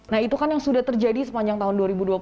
nah itu kan yang sudah terjadi sepanjang tahun dua ribu dua puluh